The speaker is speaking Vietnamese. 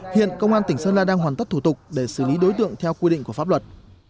hiện công an tỉnh sơn la đang hoàn tất thủ tục để xử lý đối tượng theo quy định của pháp luật